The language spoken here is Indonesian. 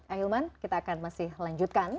ahilman kita akan masih lanjutkan